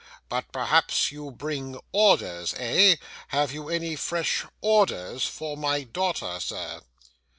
But perhaps you bring ORDERS, eh? Have you any fresh ORDERS for my daughter, sir?